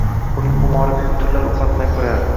Buning xumori meni tunlar uxlatmay qo’yardi.